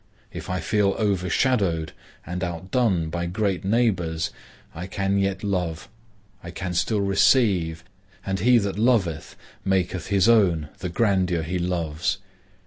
If I feel overshadowed and outdone by great neighbors, I can yet love; I can still receive; and he that loveth maketh his own the grandeur he loves.